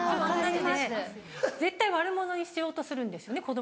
・分かります・絶対悪者にしようとするんですよね